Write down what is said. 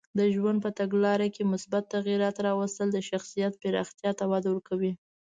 د ژوند په تګلاره کې مثبت تغییرات راوستل د شخصیت پراختیا ته وده ورکوي.